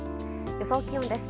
予想気温です。